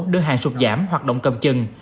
đơn hàng sụp giảm hoạt động cầm chừng